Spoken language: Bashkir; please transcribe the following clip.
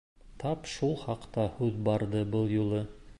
Тап шул хаҡта һүҙ барҙы был юлы.